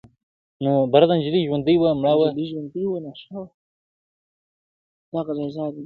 ولي پردۍ مینې ته لېږو د جهاني غزل-